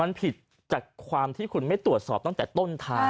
มันผิดจากความที่คุณไม่ตรวจสอบตั้งแต่ต้นทาง